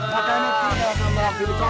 kamerah diri kawah